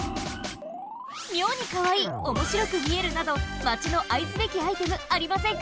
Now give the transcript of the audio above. みょうにかわいいおもしろくみえるなどマチのあいすべきアイテムありませんか？